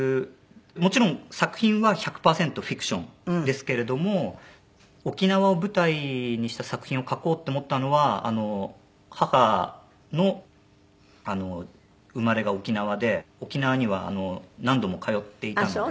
もちろん作品は１００パーセントフィクションですけれども沖縄を舞台にした作品を書こうって思ったのは母の生まれが沖縄で沖縄には何度も通っていたので。